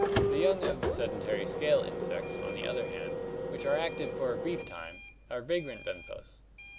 The young of the sedentary scale insects, on the other hand, which are active for a brief time, are vagrant benthos.